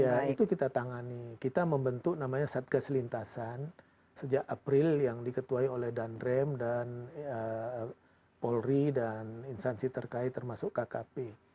ya itu kita tangani kita membentuk namanya satgas lintasan sejak april yang diketuai oleh dandrem dan polri dan instansi terkait termasuk kkp